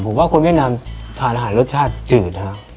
ผมว่าคนเวียดนามทานอาหารรสชาติจืดนะครับ